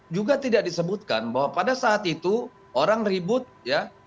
juga tidak disebutkan bahwa pada saat itu orang ribut ya